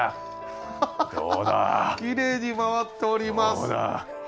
きれいに回っております。